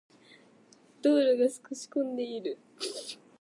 道路が少し混んでいる。